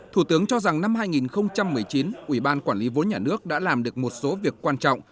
thủ tướng cho rằng năm hai nghìn một mươi chín ủy ban quản lý vốn nhà nước đã làm được một số việc quan trọng